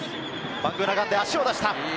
バングーナガンデ、足を出した。